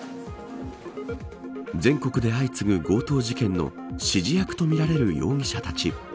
全国で相次ぐ強盗事件の指示役とみられる容疑者たち。